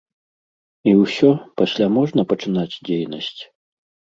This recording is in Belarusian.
І ўсё, пасля можна пачынаць дзейнасць?